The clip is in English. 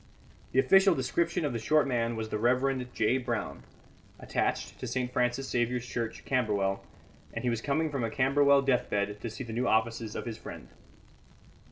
The official description of the short man was the Reverend J. Brown, attached to St. Francis Xavier's Church, Camberwell, and he was coming from a Camberwell deathbed to see the new offices of his friend.